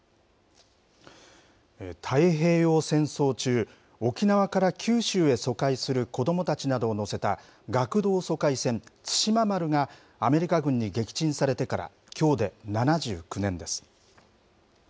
太平洋戦争中、沖縄から九州へ疎開する子どもたちなどを乗せた学童疎開船対馬丸が、アメリカ軍に撃沈されてから、きょうで７９年です。